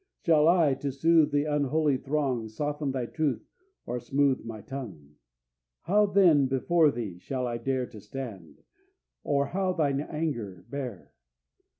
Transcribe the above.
Shall I, to soothe the unholy throng, Soften Thy truth, or smooth my tongue? "How then before Thee shall I dare To stand, or how Thine anger bear?